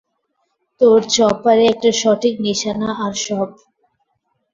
তোর চপারে একটা সঠিক নিশানা আর সব!